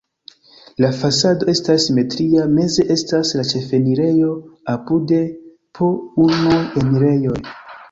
La fasado estas simetria, meze estas la ĉefenirejo, apude po unuj enirejoj.